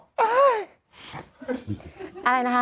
อ่าาา